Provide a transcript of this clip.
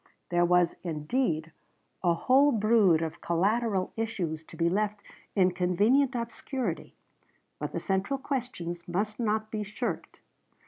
There was indeed a whole brood of collateral issues to be left in convenient obscurity, but the central questions must not be shirked.